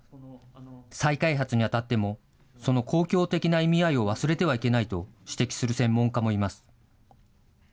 再開発にあたっても、その公共的な意味合いを忘れてはいけないと、指摘する専門家もいます。